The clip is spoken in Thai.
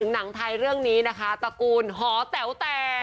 หนังไทยเรื่องนี้นะคะตระกูลหอแต๋วแต่